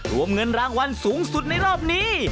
รวมเงินรางวัลสูงสุดในรอบนี้